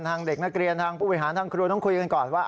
ทางเด็กนักเรียนทางผู้บริหารทางครัวต้องคุยกันก่อนว่า